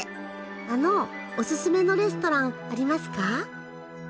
あのおススメのレストランありますか？